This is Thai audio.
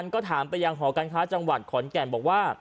ก็ถามไปยังหอการค้าจังหวัดขอนแก่นบอกว่า